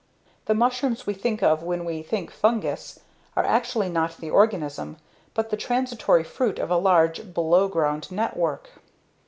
The mushrooms we think of when we think "fungus" are actually not the organism, but the transitory fruit of a large, below ground network.